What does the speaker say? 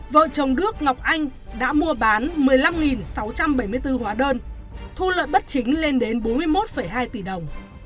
vợ chồng đức ngọc anh đã mua bán một mươi năm sáu trăm bảy mươi bốn hóa đơn thu lợi bất chính lên đến bốn mươi một hai tỷ đồng